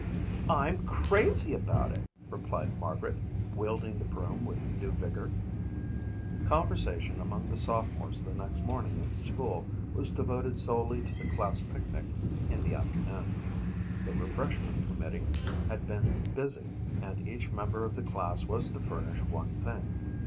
"I'm crazy about it," replied Margaret, wielding the broom with new vigor. Conversation among the sophomores the next morning at school was devoted solely to the class picnic in the afternoon. The refreshment committee had been busy and each member of the class was to furnish one thing.